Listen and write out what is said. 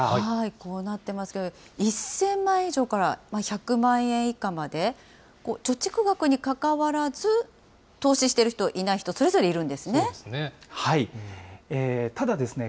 こうなってますけど、１０００万円以上から１００万円以下まで、貯蓄額にかかわらず、投資している人、いない人、それぞれいるんですね。